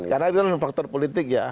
karena itu faktor politik ya